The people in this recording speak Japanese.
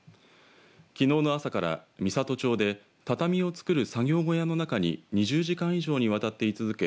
きのうの朝から美郷町で畳を作る作業小屋の中に２０時間以上にわたって居続け